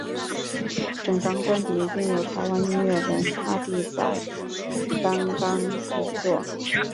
整张专辑均由台湾音乐人阿弟仔担纲制作。